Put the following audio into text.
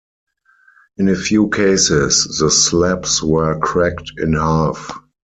In a few cases the slabs were cracked in half.